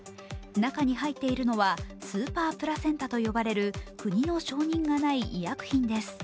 中に入っているのはスーパープラセンタと呼ばれる国の承認がない医薬品です。